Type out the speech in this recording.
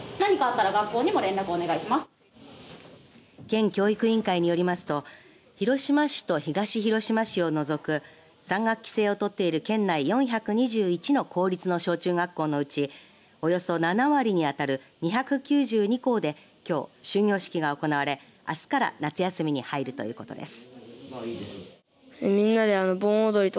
県教育委員会によりますと広島市と東広島市を除く３学期制を取っている県内４２１の公立の小中学校のうちおよそ７割に当たる２９２校できょう、終業式が行われあすから夏休みに入るということです。